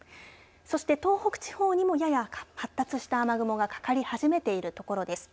そして東北地方にもやや発達した雨雲がかかり始めているところです。